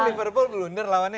belum liverpool blunder lawannya